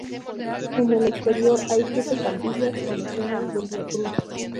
En el exterior hay siete capillas con escenas del "Via Crucis.